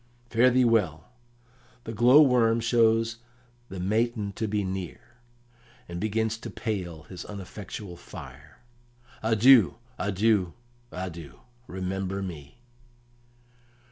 "Fare thee well! The glow worm shows the matin to be near, and begins to pale his uneffectual fire. Adieu, adieu, adieu! Remember me."